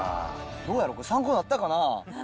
どうやろこれ、参考になったかな。